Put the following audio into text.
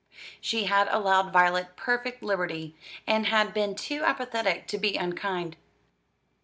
She had allowed Violet perfect liberty, and had been too apathetic to be unkind.